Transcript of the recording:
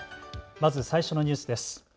まず最初のニュースです。